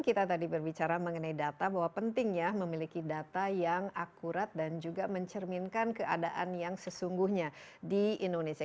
kita tadi berbicara mengenai data bahwa penting ya memiliki data yang akurat dan juga mencerminkan keadaan yang sesungguhnya di indonesia